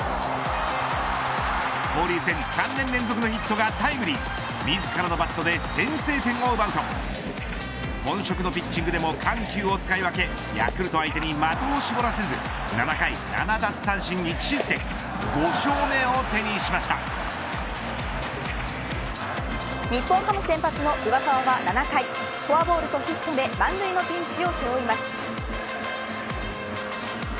交流戦３年連続のヒットがタイムリー自らのバットで先制点を奪うと本職のピッチングでも緩急を使い分けヤクルト相手に的を絞らせず７回７奪三振１失点日本ハム先発の上沢は７回フォアボールとヒットで満塁のピンチを背負います。